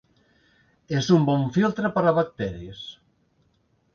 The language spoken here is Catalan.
És un bon filtre per a bacteris.